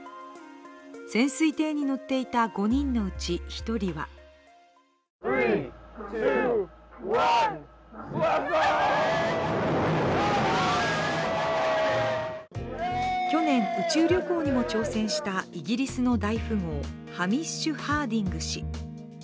潜水艇に乗っていた５人のうち１人は去年、宇宙旅行にも挑戦したイギリスの大富豪、ハミッシュ・ハーディング氏。